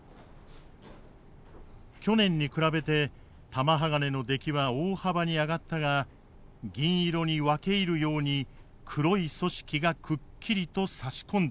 去年に比べて玉鋼の出来は大幅に上がったが銀色に分け入るように黒い組織がくっきりと差し込んでいた。